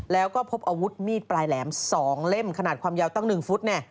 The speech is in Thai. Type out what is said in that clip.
แล้วก็พบอาวุธมีดปลายแหลม๒เล่มขนาดความยาวตั้ง๑ฟุต